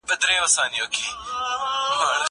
زه ليکلي پاڼي ترتيب کړي دي!!